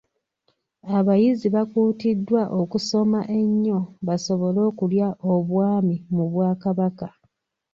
Abayizi bakuutiddwa okusoma ennyo basobole okulya Obwami mu Bwakabaka.